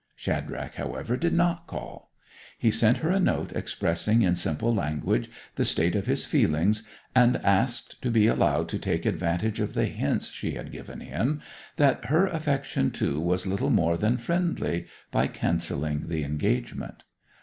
Shadrach, however, did not call. He sent her a note expressing in simple language the state of his feelings; and asked to be allowed to take advantage of the hints she had given him that her affection, too, was little more than friendly, by cancelling the engagement.